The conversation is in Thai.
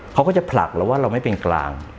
เขาก็จะผลักเราว่าเราไม่เป็นกลาง